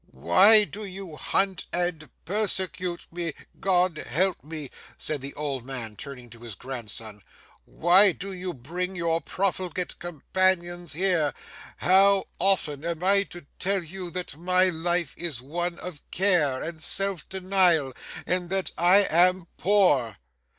'Why do you hunt and persecute me, God help me!' said the old man turning to his grandson. 'Why do you bring your prolifigate companions here? How often am I to tell you that my life is one of care and self denial, and that I am poor?